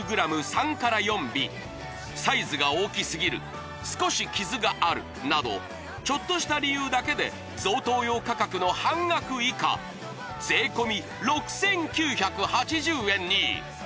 ３４尾サイズが大きすぎる少し傷があるなどちょっとした理由だけで贈答用価格の半額以下税込６９８０円に！